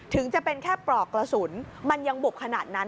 ถึงจะเป็นแค่ปลอกกระสุนมันยังบุบขนาดนั้น